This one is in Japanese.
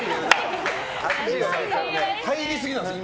入りすぎなんですよ